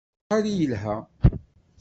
Acḥal i yelha!